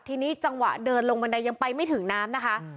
ทีนี้จังหวะเดินลงบันไดยังไปไม่ถึงน้ำนะคะ